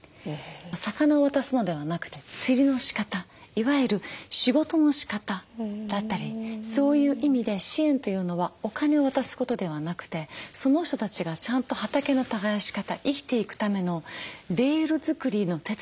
魚を渡すのではなくて釣りのしかたいわゆる仕事のしかただったりそういう意味で支援というのはお金を渡すことではなくてその人たちがちゃんと畑の耕し方生きていくためのレールづくりの手伝いはしなさい。